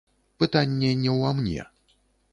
Пытанне не ўва мне.